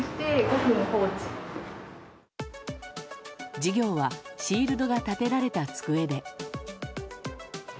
授業はシールドが立てられた机で。